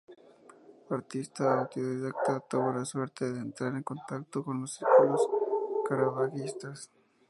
Artista autodidacta, tuvo la suerte de entrar en contacto con los círculos caravaggistas.